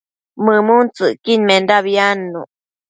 mëmuntsëcquidmendabi adnuc